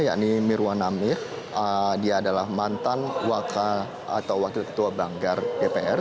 yakni mirwan namir dia adalah mantan wakil ketua banggar dpr